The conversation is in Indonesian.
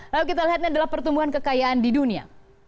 lalu kita lihat ini adalah pertumbuhan kekayaan di dunia